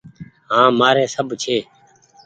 هآن مآري سب ڇي۔